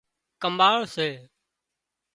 ڪماۯ سي